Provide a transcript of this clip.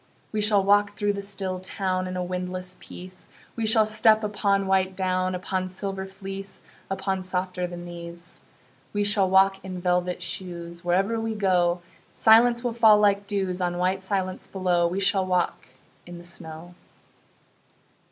We shall walk through the still town In a windless peace; We shall step upon white down, Upon silver fleece, Upon softer than these. We shall walk in velvet shoes: Wherever we go Silence will fall like dews On white silence below. We shall walk in the snow.